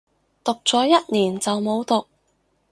讀咗一年就冇讀